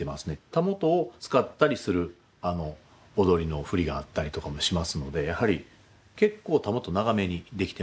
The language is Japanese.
たもとを使ったりする踊りの振りがあったりとかもしますのでやはり結構たもと長めにできてますね。